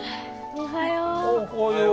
おはよう。